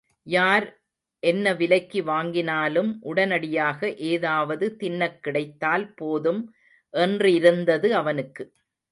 யார் என்ன விலைக்கு வாங்கினாலும் உடனடியாக ஏதாவது தின்னக் கிடைத்தால் போதும் என்றிருந்தது அவனுக்கு.